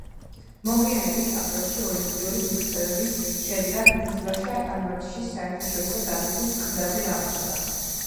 მოგვიანებით, აპრილში ოლიმპიური მიღწევების შედეგად იზბაშა ტანვარჯიშის საერთაშორისო გაზეთის ყდაზე გამოჩნდა.